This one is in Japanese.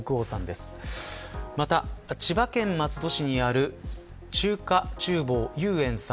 また千葉県松戸市にある中華厨房ゆうえんさん